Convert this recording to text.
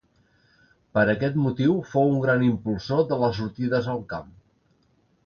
Per aquest motiu fou un gran impulsor de les sortides al camp.